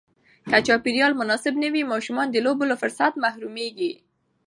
که چاپېریال مناسب نه وي، ماشومان د لوبو له فرصت محروم کېږي.